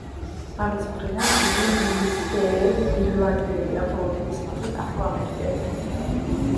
მამის მხრიდან იგი ინგლისელ-ირლანდიელია, ხოლო დედის ხაზით აფროამერიკელი.